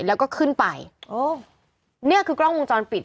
แล้วก็ขึ้นไปโอ้เนี่ยคือกล้องวงจรปิด